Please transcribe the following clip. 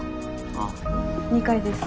あっ２階です。